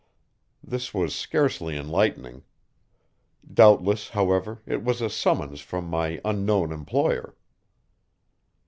This was scarcely enlightening. Doubtless, however, it was a summons from my unknown employer.